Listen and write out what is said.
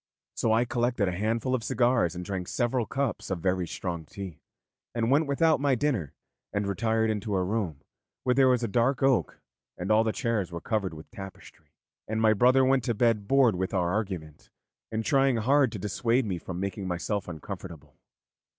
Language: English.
So I collected a handful of cigars and drank several cups of very strong tea, and went without my dinner, and retired into a room where there was dark oak and all the chairs were covered with tapestry; and my brother went to bed bored with our argument, and trying hard to dissuade me from making myself uncomfortable.